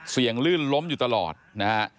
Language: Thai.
ลื่นล้มอยู่ตลอดนะฮะ